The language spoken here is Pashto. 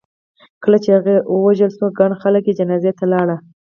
کله چې هغه ووژل شو ګڼ خلک یې جنازې ته لاړل.